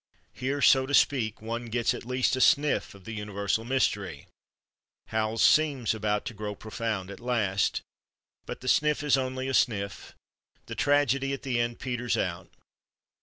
Here, so to speak, one gets at least a sniff of the universal mystery; Howells seems about to grow profound at last. But the sniff is only a sniff. The tragedy, at the end, peters out.